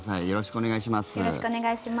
よろしくお願いします。